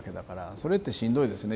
それってしんどいですね